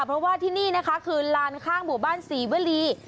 เพราะว่าที่นี่คือลานข้างบุบันศรีเวลี